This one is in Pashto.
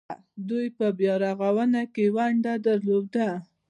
دوی په بیارغونه کې ونډه درلوده.